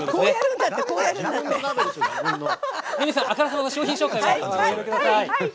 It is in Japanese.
レミさん、あからさまな商品紹介はおやめください。